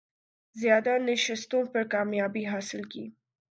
زیادہ نشستوں پر کامیابی حاصل کی